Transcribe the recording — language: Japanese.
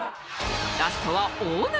ラストは大沼。